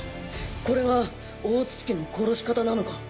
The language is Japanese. これが大筒木の殺し方なのか？